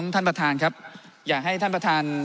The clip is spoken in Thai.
ถ้านประธานครับ